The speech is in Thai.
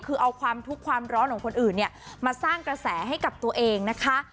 คือเอาความทุกข์ความร้อนของคนอื่นเนี่ยมาสร้างกระแสให้กับตัวเองนะคะ